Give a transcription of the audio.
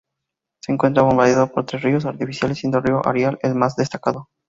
Se encuentra bordeado por tres ríos artificiales, siendo el río Arai el más destacado.